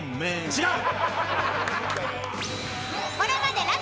違う！